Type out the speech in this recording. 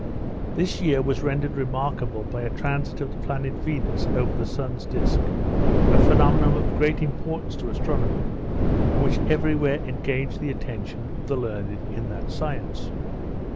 This year was rendered remarkable by the transit of the planet Venus over the sun's disk, a phenomenon of great importance to astronomy; and which every where engaged the attention of the learned in that science.